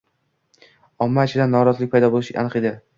– omma ichida norozilik paydo bo‘lishi aniq edi.